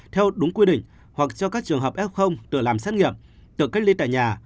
theo đúng quy định hoặc cho các trường hợp f tự làm xét nghiệm tự cách ly tại nhà